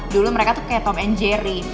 dulu mereka tuh kayak top and jerry